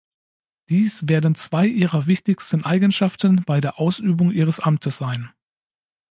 Dies werden zwei Ihrer wichtigsten Eigenschaften bei der Ausübung Ihres Amtes sein.